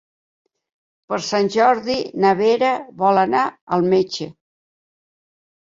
Per Sant Jordi na Vera vol anar al metge.